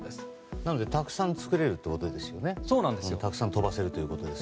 なのでたくさん作れて飛ばせるということですね。